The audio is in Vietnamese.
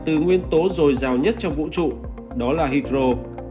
từ nguyên tố dồi dào nhất trong vũ trụ đó là hydro